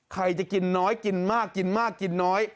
ใครจะกินน้อยกินมากกินมากกินน้อย